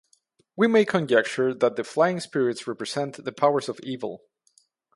We may conjecture that the Flying Spirits represent the powers of evil.